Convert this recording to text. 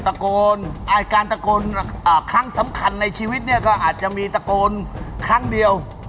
ตะโกนการตะโกนครั้งสำคัญในชีวิตเนี่ยก็อาจจะมีตะโกนครั้งเดียว